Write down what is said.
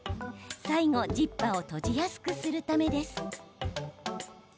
最後、ジッパーを閉じやすくするためです。